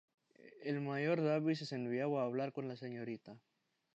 El Mayor Davis es enviado a hablar con la Srta.